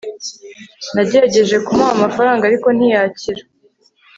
Nagerageje kumuha amafaranga ariko ntiyakira